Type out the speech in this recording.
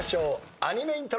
アニメイントロ。